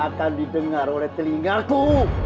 akan didengar oleh telingaku